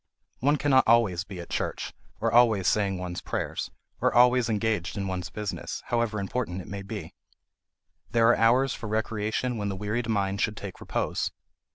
One cannot be always at church, or always saying one's prayers, or always engaged in one's business, however important it may be; there are hours for recreation when the wearied mind should take repose.